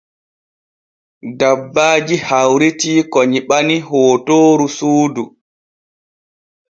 Dabbaaji hawritii ko nyiɓani hootoor suudu.